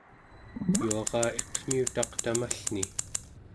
yuaraa iqmiutaq tamallni